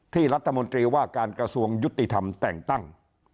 รัฐมนตรีว่าการกระทรวงยุติธรรมแต่งตั้ง